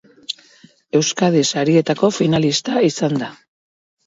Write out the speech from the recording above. Euskadi Sarietako finalista izan da.